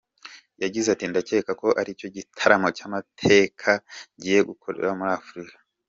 Yagize ati “Ndacyeka ko ari cyo gitaramo cy’amateka ngiye gukorera muri Afurika.